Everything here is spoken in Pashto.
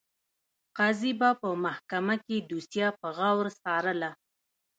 قاضي به په محکمه کې دوسیه په غور څارله.